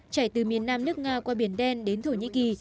chảy từ miền nam nước nga qua biển đen đến thổ nhĩ kỳ